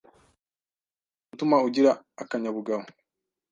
mu gutuma ugira akanyabugabo